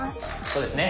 そうですね。